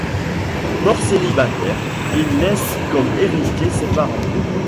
Mort célibataire, il laisse comme héritiers ses parents.